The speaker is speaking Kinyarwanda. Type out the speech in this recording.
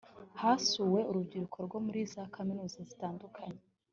hasuwe urubyiruko rwo muri za kaminuza zitandukanye